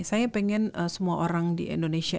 saya pengen semua orang di indonesia